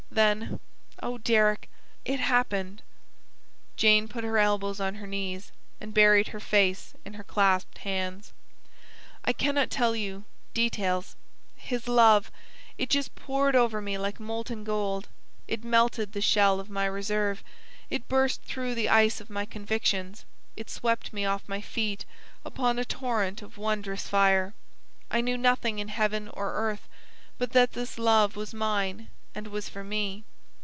Then oh, Deryck! It happened." Jane put her elbows on her knees, and buried her face in her clasped hands. "I cannot tell you details. His love it just poured over me like molten gold. It melted the shell of my reserve; it burst through the ice of my convictions; it swept me off my feet upon a torrent of wondrous fire. I knew nothing in heaven or earth but that this love was mine, and was for me.